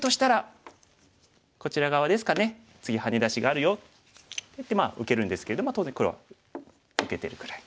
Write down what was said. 「次ハネ出しがあるよ」って言ってまあ受けるんですけど当然黒は受けてるぐらい。